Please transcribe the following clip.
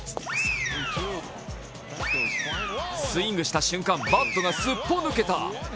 スイングした瞬間バットがすっぽ抜けた。